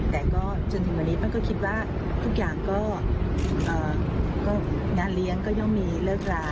แต่ก็จนถึงวันนี้เปิ้ลก็คิดว่าทุกอย่างก็งานเลี้ยงก็ย่อมมีเลิกลา